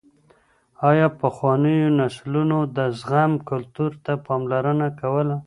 ايا پخوانيو نسلونو د زغم کلتور ته پاملرنه کوله؟